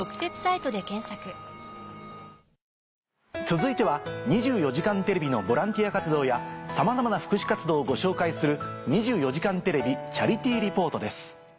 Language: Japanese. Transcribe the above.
続いては『２４時間テレビ』のボランティア活動やさまざまな福祉活動をご紹介する。